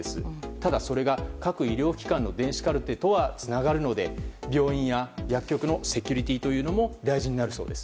ただ、それが各医療機関の電子カルテとはつながるので、病院や薬局のセキュリティーというのも大事になるそうです。